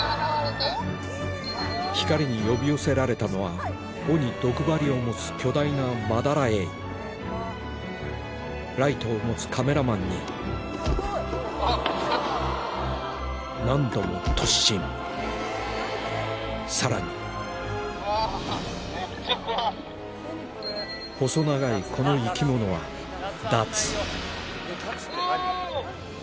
光に呼び寄せられたのは尾に毒針を持つ巨大なマダラエイライトを持つカメラマンに何度も突進さらに細長いこの生き物はおぉ！